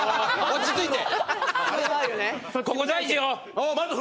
落ち着いて！